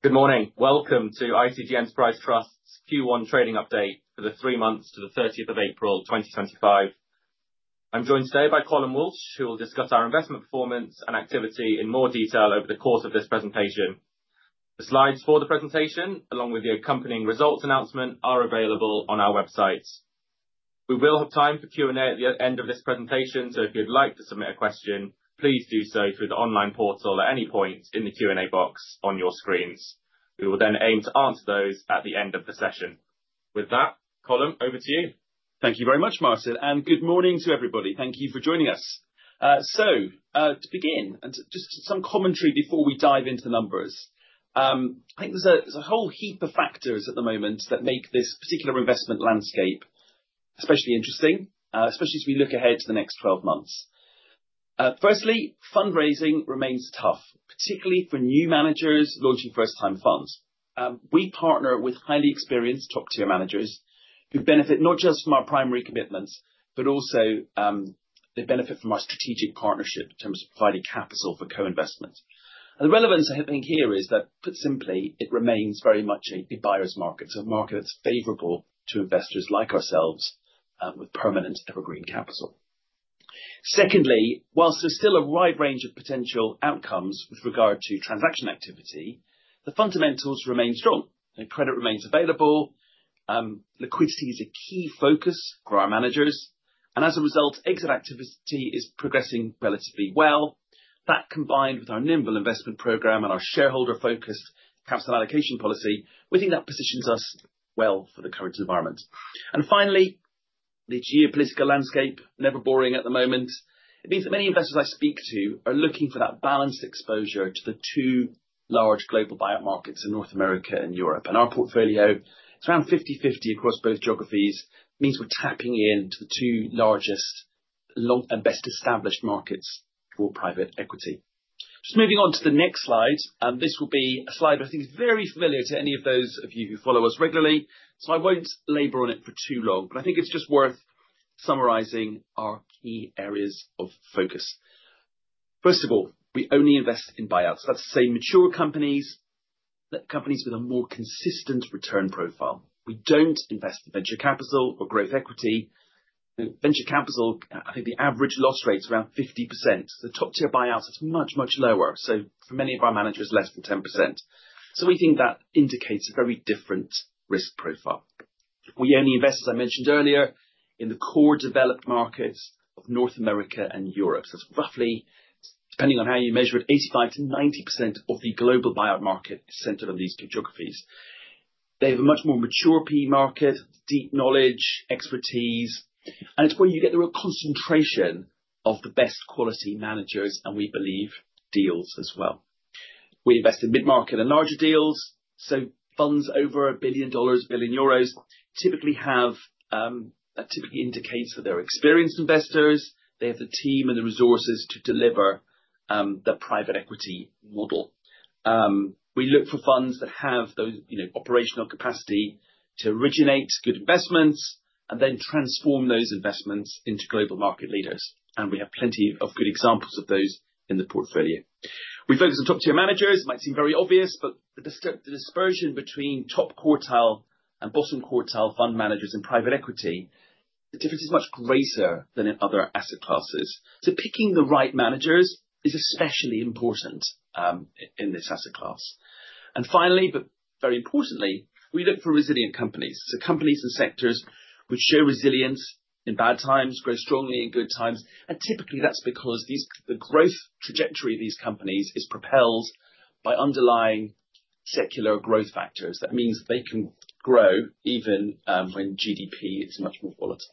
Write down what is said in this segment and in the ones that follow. Good morning. Welcome to ICG Enterprise Trust's Q1 trading update for the three months to the 30th of April 2025. I'm joined today by Colm Walsh, who will discuss our investment performance and activity in more detail over the course of this presentation. The slides for the presentation, along with the accompanying results announcement, are available on our website. We will have time for Q&A at the end of this presentation, so if you'd like to submit a question, please do so through the online portal at any point in the Q&A box on your screens. We will then aim to answer those at the end of the session. With that, Colm, over to you. Thank you very much, Martin, and good morning to everybody. Thank you for joining us. To begin and just some commentary before we dive into the numbers, I think there's a whole heap of factors at the moment that make this particular investment landscape especially interesting, especially as we look ahead to the next 12 months. Firstly, fundraising remains tough, particularly for new managers launching first-time funds. We partner with highly experienced top-tier managers who benefit not just from our primary commitments, but also they benefit from our strategic partnership in terms of providing capital for co-investment. The relevance I think here is that, put simply, it remains very much a buyer's market, a market that's favorable to investors like ourselves with permanent evergreen capital. Secondly, whilst there's still a wide range of potential outcomes with regard to transaction activity, the fundamentals remain strong. Credit remains available. Liquidity is a key focus for our managers. As a result, exit activity is progressing relatively well. That, combined with our nimble investment program and our shareholder-focused capital allocation policy, we think that positions us well for the current environment. Finally, the geopolitical landscape is never boring at the moment. It means that many investors I speak to are looking for that balanced exposure to the two large global buyout markets in North America and Europe. Our portfolio is around 50/50 across both geographies, which means we're tapping into the two largest and best-established markets for private equity. Just moving on to the next slide, this will be a slide that I think is very familiar to any of those of you who follow us regularly. I won't labor on it for too long, but I think it's just worth summarizing our key areas of focus. First of all, we only invest in buyouts. That's to say mature companies, companies with a more consistent return profile. We don't invest in venture capital or growth equity. Venture capital, I think the average loss rate is around 50%. The top-tier buyouts are much, much lower. For many of our managers, less than 10%. We think that indicates a very different risk profile. We only invest, as I mentioned earlier, in the core developed markets of North America and Europe. It's roughly, depending on how you measure it, 85%-90% of the global buyout market is centered on these two geographies. They have a much more mature PE market, deep knowledge, expertise, and it's where you get the real concentration of the best quality managers, and we believe deals as well. We invest in mid-market and larger deals. Funds over $1 billion, 1 billion euros, typically have that. Typically, it indicates that they're experienced investors. They have the team and the resources to deliver the private equity model. We look for funds that have those operational capacity to originate good investments and then transform those investments into global market leaders. We have plenty of good examples of those in the portfolio. We focus on top-tier managers. It might seem very obvious, but the dispersion between top quartile and bottom quartile fund managers in private equity, the difference is much greater than in other asset classes. Picking the right managers is especially important in this asset class. Finally, but very importantly, we look for resilient companies. Companies and sectors which show resilience in bad times, grow strongly in good times. Typically that's because the growth trajectory of these companies is propelled by underlying secular growth factors. That means they can grow even when GDP is much more volatile.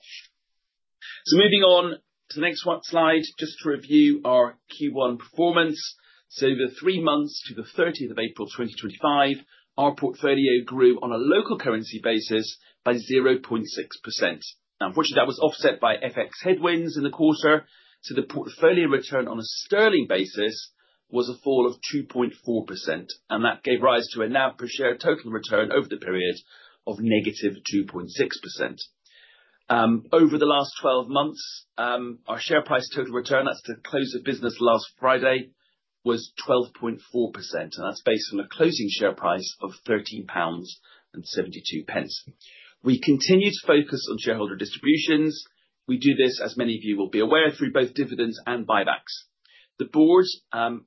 Moving on to the next slide, just to review our Q1 performance. For the three months to the 30th of April 2025, our portfolio grew on a local currency basis by 0.6%. Unfortunately, that was offset by FX headwinds in the quarter. The portfolio return on a sterling basis was a fall of 2.4%. That gave rise to a NAV per share total return over the period of -2.6%. Over the last 12 months, our share price total return, that's to close of business last Friday, was 12.4%. That's based on a closing share price of GBP 13.72 pounds. We continue to focus on shareholder distributions. We do this, as many of you will be aware, through both dividends and buybacks. The board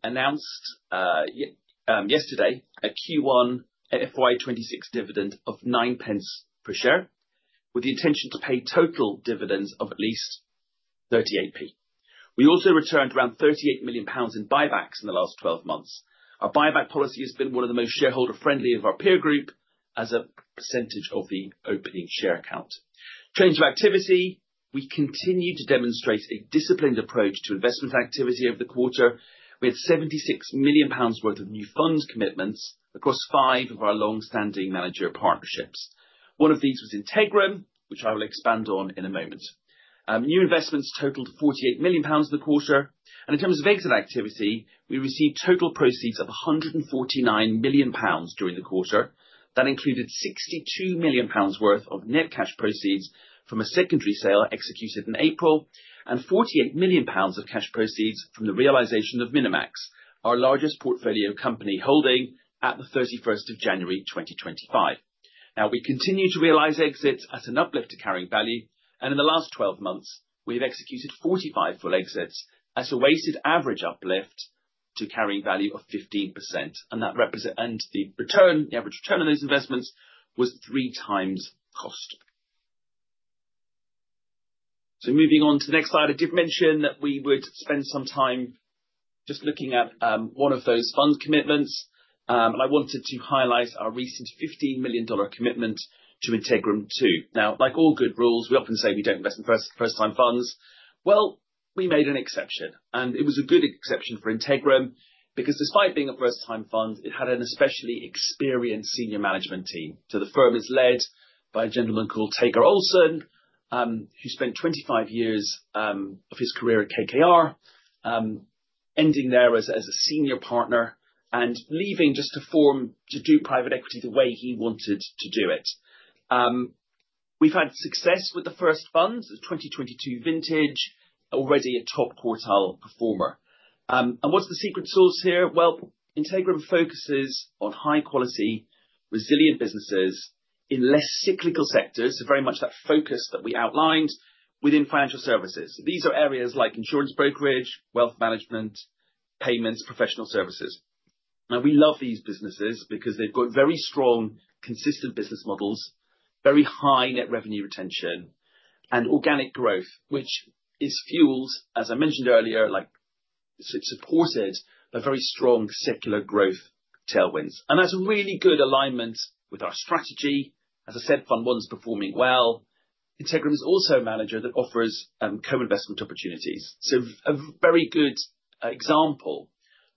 announced yesterday a Q1 FY2026 dividend of 0.09 per share with the intention to pay total dividends of at least 0.38. We also returned around 38 million pounds in buybacks in the last 12 months. Our buyback policy has been one of the most shareholder-friendly of our peer group as a percentage of the opening share account. Change of activity, we continue to demonstrate a disciplined approach to investment activity over the quarter. We had 76 million pounds worth of new fund commitments across five of our long-standing manager partnerships. One of these was Integrum, which I will expand on in a moment. New investments totaled 48 million pounds in the quarter. In terms of exit activity, we received total proceeds of 149 million pounds during the quarter. That included 62 million pounds worth of net cash proceeds from a secondary sale executed in April and 48 million pounds of cash proceeds from the realization of Minimax, our largest portfolio company holding at the 31st of January 2025. Now, we continue to realize exits at an uplift to carrying value. In the last 12 months, we have executed 45 full exits at a weighted average uplift to carrying value of 15%. The average return on those investments was three times cost. Moving on to the next slide, I did mention that we would spend some time just looking at one of those fund commitments. I wanted to highlight our recent $15 million commitment to Integrum too. Now, like all good rules, we often say we do not invest in first-time funds. We made an exception. It was a good exception for Integrum because despite being a first-time fund, it had an especially experienced senior management team. The firm is led by a gentleman called Tagar Olson, who spent 25 years of his career at KKR, ending there as a senior partner and leaving just to form to do private equity the way he wanted to do it. We've had success with the first fund, the 2022 Vintage, already a top quartile performer. What's the secret sauce here? Integrum focuses on high-quality, resilient businesses in less cyclical sectors, very much that focus that we outlined within financial services. These are areas like insurance brokerage, wealth management, payments, professional services. We love these businesses because they've got very strong, consistent business models, very high net revenue retention, and organic growth, which is fueled, as I mentioned earlier, like it's supported by very strong secular growth tailwinds. That is a really good alignment with our strategy. As I said, fund one's performing well. Integrum is also a manager that offers co-investment opportunities. A very good example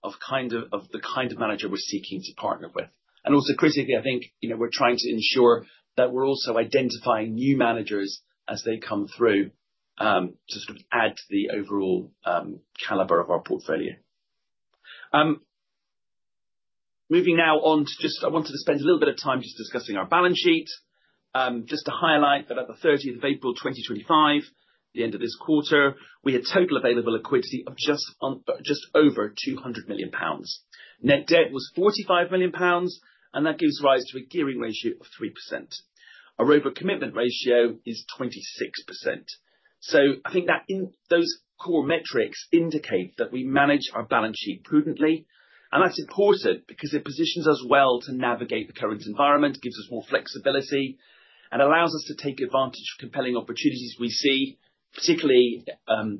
of the kind of manager we're seeking to partner with. Also critically, I think we're trying to ensure that we're also identifying new managers as they come through to sort of add to the overall caliber of our portfolio. Moving now on to just, I wanted to spend a little bit of time just discussing our balance sheet. Just to highlight that at the 30th of April 2025, the end of this quarter, we had total available liquidity of just over 200 million pounds. Net debt was 45 million pounds, and that gives rise to a gearing ratio of 3%. Our overall commitment ratio is 26%. I think that those core metrics indicate that we manage our balance sheet prudently. That is important because it positions us well to navigate the current environment, gives us more flexibility, and allows us to take advantage of compelling opportunities we see, particularly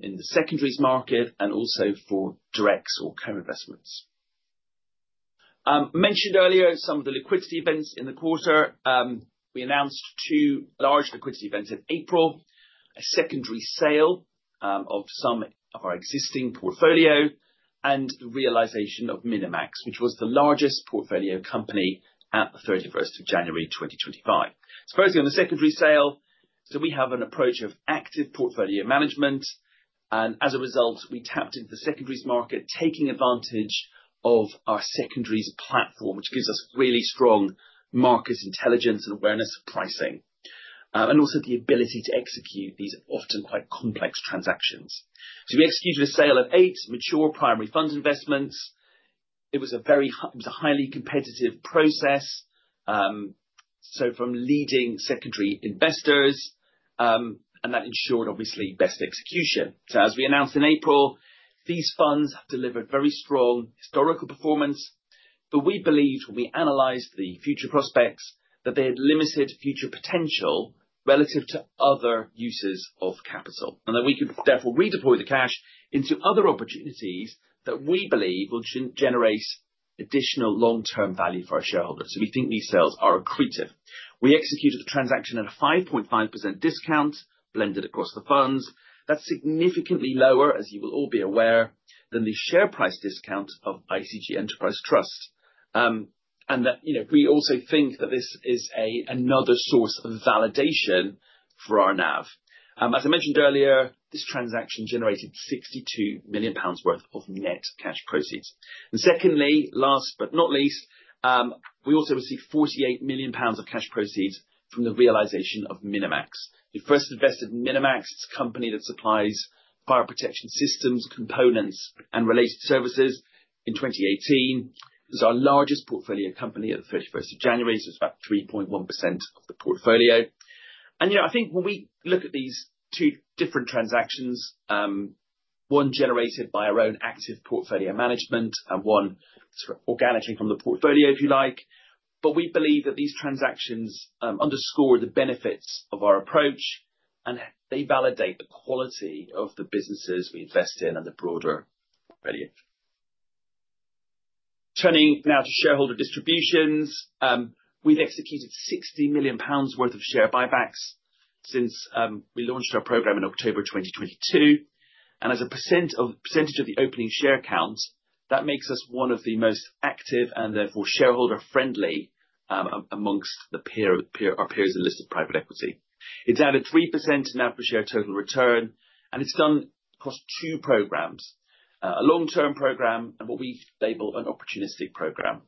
in the secondaries market and also for directs or co-investments. Mentioned earlier some of the liquidity events in the quarter. We announced two large liquidity events in April, a secondary sale of some of our existing portfolio, and the realization of Minimax, which was the largest portfolio company at the 31st of January 2025. Firstly, on the secondary sale, we have an approach of active portfolio management. As a result, we tapped into the secondaries market, taking advantage of our secondaries platform, which gives us really strong market intelligence and awareness of pricing, and also the ability to execute these often quite complex transactions. We executed a sale of eight mature primary fund investments. It was a very highly competitive process, from leading secondary investors, and that ensured, obviously, best execution. As we announced in April, these funds have delivered very strong historical performance. We believed, when we analyzed the future prospects, that they had limited future potential relative to other uses of capital, and that we could therefore redeploy the cash into other opportunities that we believe will generate additional long-term value for our shareholders. We think these sales are accretive. We executed the transaction at a 5.5% discount blended across the funds. That is significantly lower, as you will all be aware, than the share price discount of ICG Enterprise Trust. We also think that this is another source of validation for our NAV. As I mentioned earlier, this transaction generated 62 million pounds worth of net cash proceeds. Secondly, last but not least, we also received 48 million pounds of cash proceeds from the realization of Minimax. We first invested in Minimax, a company that supplies fire protection systems, components, and related services, in 2018. It was our largest portfolio company at the 31st of January, so it is about 3.1% of the portfolio. I think when we look at these two different transactions, one generated by our own active portfolio management and one sort of organically from the portfolio, if you like, we believe that these transactions underscore the benefits of our approach, and they validate the quality of the businesses we invest in and the broader portfolio. Turning now to shareholder distributions, we have executed 60 million pounds worth of share buybacks since we launched our program in October 2022. As a percentage of the opening share account, that makes us one of the most active and therefore shareholder-friendly amongst our peers in listed private equity. It has added 3% in NAV per share total return, and it has been done across two programs, a long-term program and what we label an opportunistic program.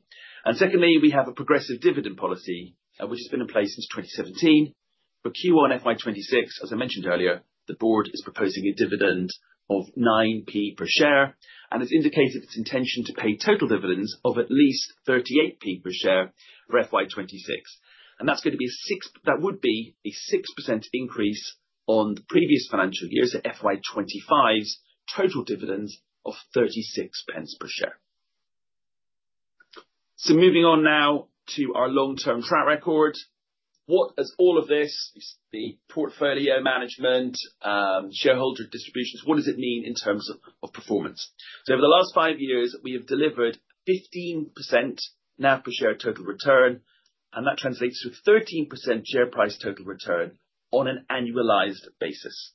Secondly, we have a progressive dividend policy, which has been in place since 2017. For Q1 FY26, as I mentioned earlier, the board is proposing a dividend of 0.09 per share, and it's indicated its intention to pay total dividends of at least 0.38 per share for FY 2026. That's going to be a 6% increase on the previous financial year's, so FY 2025's total dividends of 0.36 per share. Moving on now to our long-term track record. What, as all of this, the portfolio management, shareholder distributions, what does it mean in terms of performance? Over the last five years, we have delivered 15% NAV per share total return, and that translates to 13% share price total return on an annualized basis.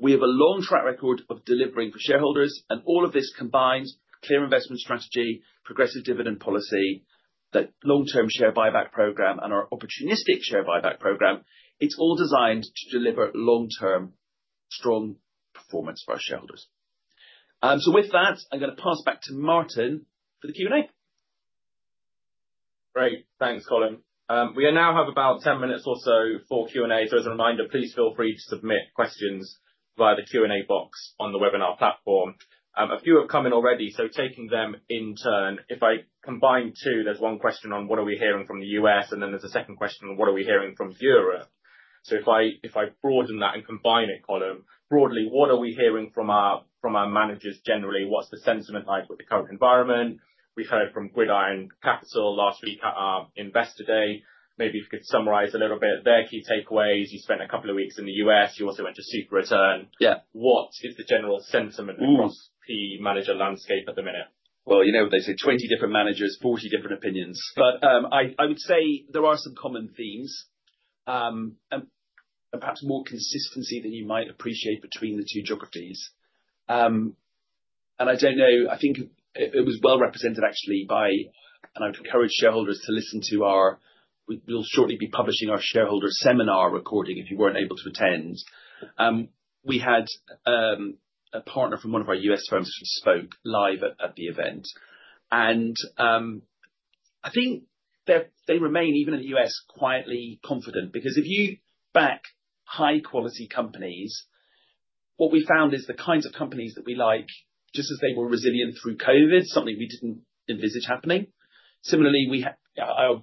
We have a long track record of delivering for shareholders, and all of this combined with a clear investment strategy, progressive dividend policy, that long-term share buyback program, and our opportunistic share buyback program, it's all designed to deliver long-term strong performance for our shareholders. With that, I'm going to pass back to Martin for the Q&A. Great. Thanks, Colm. We now have about 10 minutes or so for Q&A. As a reminder, please feel free to submit questions via the Q&A box on the webinar platform. A few have come in already, so taking them in turn, if I combine two, there's one question on what are we hearing from the U.S., and then there's a second question on what are we hearing from Europe. If I broaden that and combine it, Colm, broadly, what are we hearing from our managers generally? What's the sentiment like with the current environment? We heard from Gridiron Capital last week at our Investor Day. Maybe if you could summarize a little bit their key takeaways. You spent a couple of weeks in the U.S. You also went to SuperReturn. What is the general sentiment across the manager landscape at the minute? You know what they say, 20 different managers, 40 different opinions. I would say there are some common themes and perhaps more consistency than you might appreciate between the two geographies. I don't know, I think it was well represented actually by, and I would encourage shareholders to listen to our, we'll shortly be publishing our shareholder seminar recording if you weren't able to attend. We had a partner from one of our U.S. firms who spoke live at the event. I think they remain, even in the U.S., quietly confident because if you back high-quality companies, what we found is the kinds of companies that we like, just as they were resilient through COVID, something we did not envisage happening. Similarly, I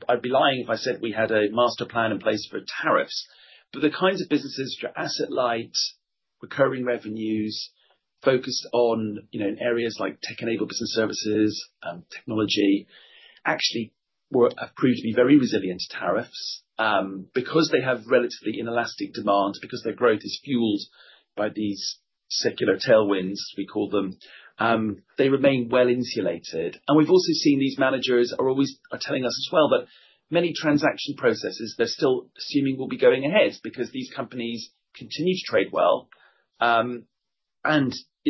would be lying if I said we had a master plan in place for tariffs. The kinds of businesses which are asset-light, recurring revenues, focused on areas like tech-enabled business services, technology, actually have proved to be very resilient to tariffs because they have relatively inelastic demand, because their growth is fueled by these secular tailwinds, as we call them. They remain well insulated. We have also seen these managers are always telling us as well that many transaction processes, they are still assuming will be going ahead because these companies continue to trade well. We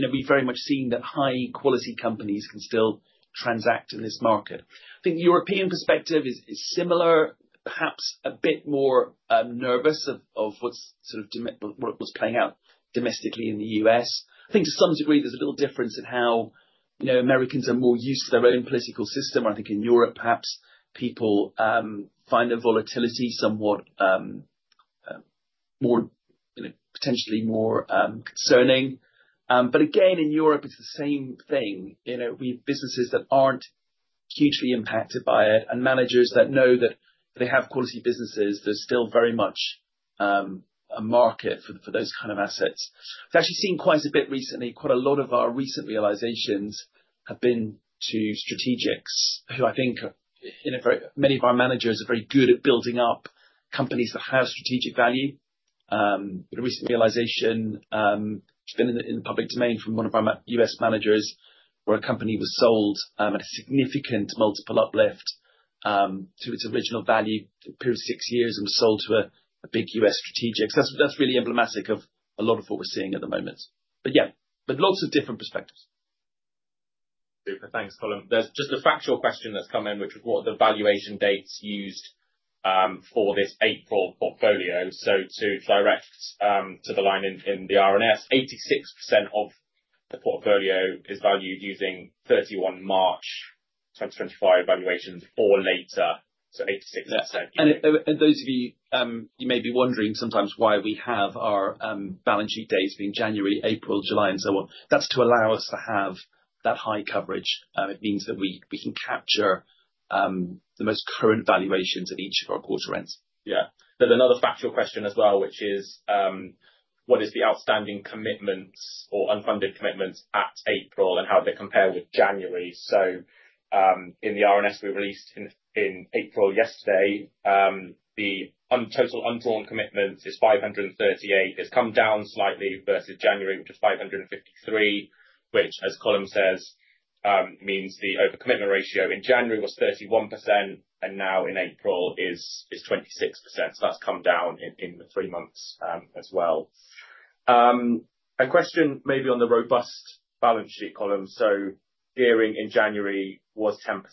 have very much seen that high-quality companies can still transact in this market. I think the European perspective is similar, perhaps a bit more nervous of what's playing out domestically in the U.S. I think to some degree, there's a little difference in how Americans are more used to their own political system. I think in Europe, perhaps people find the volatility somewhat potentially more concerning. In Europe, it's the same thing. We have businesses that aren't hugely impacted by it and managers that know that they have quality businesses, there's still very much a market for those kind of assets. We've actually seen quite a bit recently. Quite a lot of our recent realizations have been to strategics who I think many of our managers are very good at building up companies that have strategic value. A recent realization has been in the public domain from one of our U.S. managers where a company was sold at a significant multiple uplift to its original value for a period of six years and was sold to a big U.S. strategic. That's really emblematic of a lot of what we're seeing at the moment. Yeah, but lots of different perspectives. Super. Thanks, Colm. There's just a factual question that's come in, which was what are the valuation dates used for this April portfolio? To direct to the line in the R&S, 86% of the portfolio is valued using 31 March 2025 valuations for later, so 86%. Those of you, you may be wondering sometimes why we have our balance sheet dates being January, April, July, and so on. That's to allow us to have that high coverage. It means that we can capture the most current valuations of each of our quarter ends. Yeah. There is another factual question as well, which is, what is the outstanding commitments or unfunded commitments at April, and how do they compare with January? In the R&S we released in April yesterday, the total undrawn commitments is 538 million. It has come down slightly versus January, which is 553 million, which, as Colm says, means the overcommitment ratio in January was 31%, and now in April is 26%. That has come down in the three months as well. A question maybe on the robust balance sheet, Colm. Gearing in January was 10%,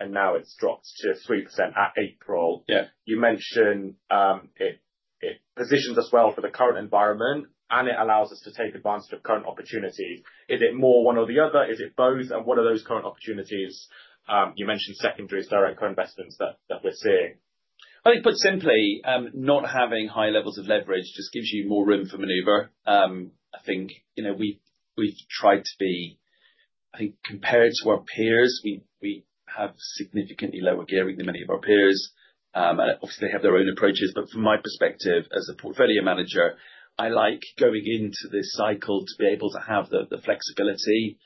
and now it has dropped to 3% at April. You mentioned it positions us well for the current environment, and it allows us to take advantage of current opportunities. Is it more one or the other? Is it both? What are those current opportunities? You mentioned secondary as direct co-investments that we're seeing. I think put simply, not having high levels of leverage just gives you more room for maneuver. I think we've tried to be, I think, compared to our peers. We have significantly lower gearing than many of our peers. Obviously, they have their own approaches, but from my perspective as a portfolio manager, I like going into this cycle to be able to have the flexibility.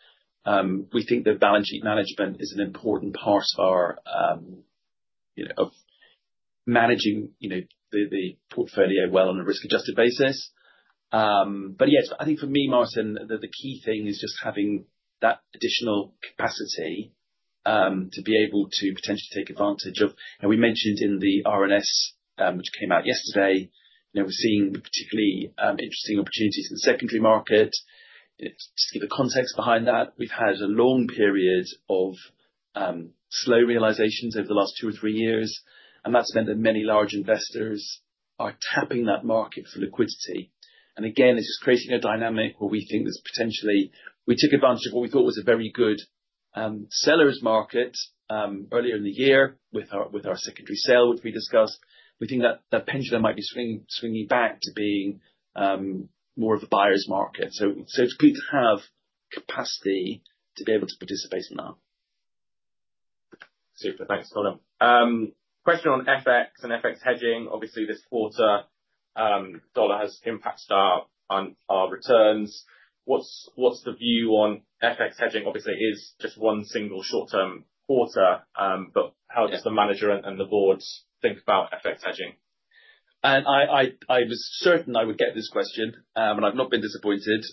We think that balance sheet management is an important part of managing the portfolio well on a risk-adjusted basis. Yes, I think for me, Martin, the key thing is just having that additional capacity to be able to potentially take advantage of, and we mentioned in the R&S, which came out yesterday, we're seeing particularly interesting opportunities in the secondary market. Just to give the context behind that, we've had a long period of slow realizations over the last two or three years, and that's meant that many large investors are tapping that market for liquidity. It's just creating a dynamic where we think there's potentially, we took advantage of what we thought was a very good seller's market earlier in the year with our secondary sale, which we discussed. We think that that pendulum might be swinging back to being more of a buyer's market. It's good to have capacity to be able to participate in that. Super. Thanks, Colm. Question on FX and FX hedging. Obviously, this quarter, dollar has impacted our returns. What's the view on FX hedging? Obviously, it is just one single short-term quarter, but how does the manager and the board think about FX hedging? I was certain I would get this question, and I've not been disappointed.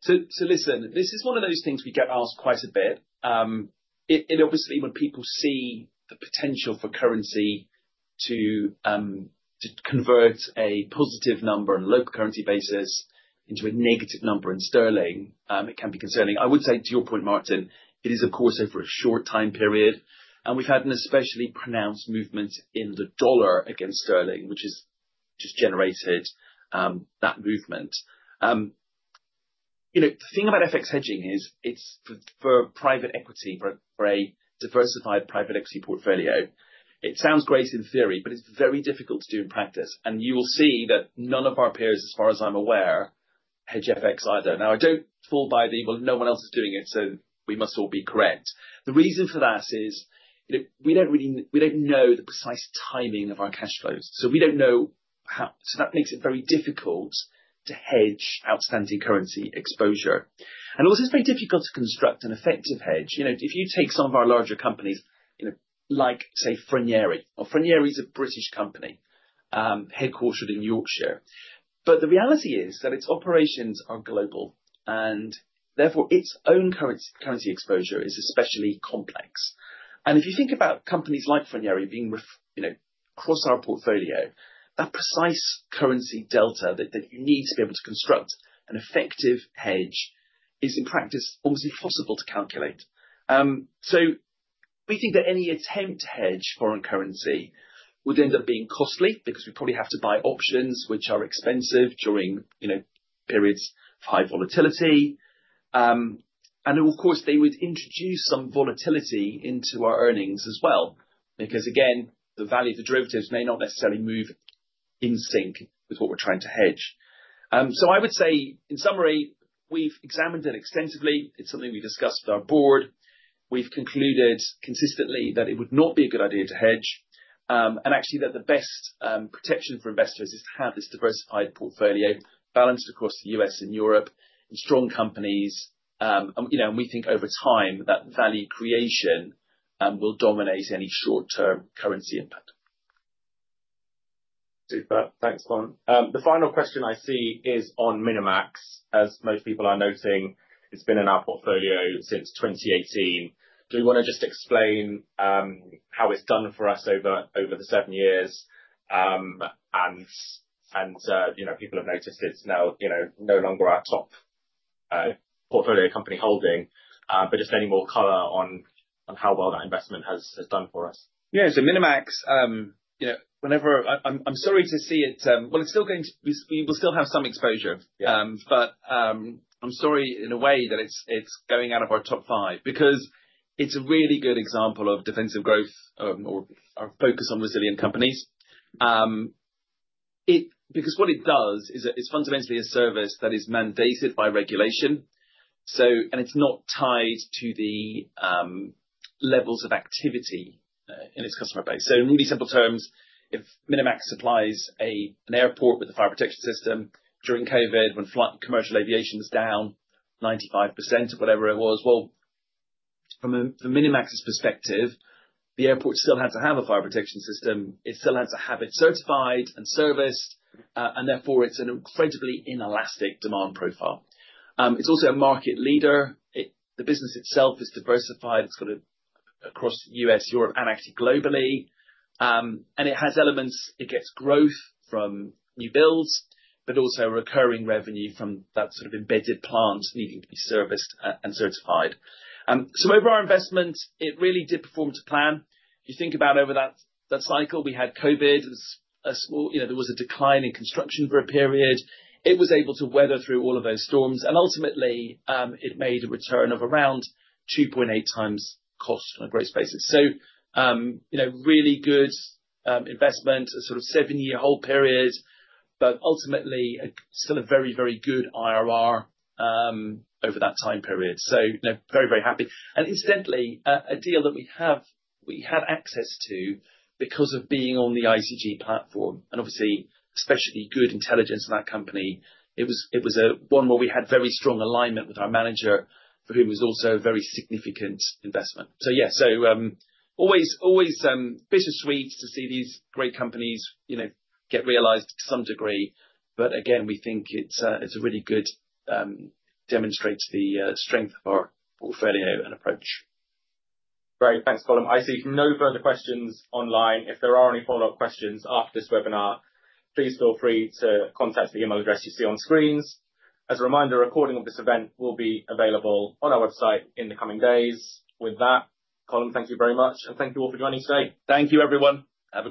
Listen, this is one of those things we get asked quite a bit. Obviously, when people see the potential for currency to convert a positive number on a local currency basis into a negative number in sterling, it can be concerning. I would say, to your point, Martin, it is, of course, over a short time period. We've had an especially pronounced movement in the dollar against sterling, which has just generated that movement. The thing about FX hedging is it's for private equity, for a diversified private equity portfolio. It sounds great in theory, but it's very difficult to do in practice. You will see that none of our peers, as far as I'm aware, hedge FX either. Now, I don't fall by the, well, no one else is doing it, so we must all be correct. The reason for that is we don't know the precise timing of our cash flows. We don't know how, so that makes it very difficult to hedge outstanding currency exposure. Also, it's very difficult to construct an effective hedge. If you take some of our larger companies, like say Froneri, Froneri is a British company headquartered in Yorkshire. The reality is that its operations are global, and therefore its own currency exposure is especially complex. If you think about companies like Froneri being across our portfolio, that precise currency delta that you need to be able to construct an effective hedge is, in practice, almost impossible to calculate. We think that any attempt to hedge foreign currency would end up being costly because we probably have to buy options, which are expensive during periods of high volatility. Of course, they would introduce some volatility into our earnings as well because, again, the value of the derivatives may not necessarily move in sync with what we're trying to hedge. I would say, in summary, we've examined it extensively. It's something we discussed with our board. We've concluded consistently that it would not be a good idea to hedge, and actually that the best protection for investors is to have this diversified portfolio balanced across the U.S. and Europe and strong companies. We think over time that value creation will dominate any short-term currency impact. Super. Thanks, Colm. The final question I see is on Minimax. As most people are noting, it's been in our portfolio since 2018. Do we want to just explain how it's done for us over the seven years? People have noticed it's no longer our top portfolio company holding, but just any more color on how well that investment has done for us. Yeah. Minimax, whenever I'm sorry to see it, it's still going to, we will still have some exposure, but I'm sorry in a way that it's going out of our top five because it's a really good example of defensive growth or our focus on resilient companies. What it does is it's fundamentally a service that is mandated by regulation. It's not tied to the levels of activity in its customer base. In really simple terms, if Minimax supplies an airport with a fire protection system during COVID when commercial aviation was down 95% or whatever it was, from Minimax's perspective, the airport still had to have a fire protection system. It still had to have it certified and serviced, and therefore it is an incredibly inelastic demand profile. It is also a market leader. The business itself is diversified. It has it across the U.S., Europe, and actually globally. It has elements. It gets growth from new builds, but also recurring revenue from that sort of embedded plant needing to be serviced and certified. Over our investment, it really did perform to plan. If you think about over that cycle, we had COVID. There was a decline in construction for a period. It was able to weather through all of those storms. Ultimately, it made a return of around 2.8x cost on a gross basis. Really good investment, a sort of seven-year hold period, but ultimately, still a very, very good IRR over that time period. Very, very happy. Incidentally, a deal that we had access to because of being on the ICG platform, and obviously, especially good intelligence on that company, it was one where we had very strong alignment with our manager, for whom it was also a very significant investment. Yeah, always bittersweet to see these great companies get realized to some degree. Again, we think it really does demonstrate the strength of our portfolio and approach. Great. Thanks, Colm. I see no further questions online. If there are any follow-up questions after this webinar, please feel free to contact the email address you see on screens. As a reminder, a recording of this event will be available on our website in the coming days. With that, Colm, thank you very much, and thank you all for joining today. Thank you, everyone. Have a great.